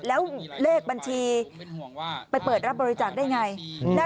แล้วเลขบัญชีไปเปิดรับบริจาคได้ไง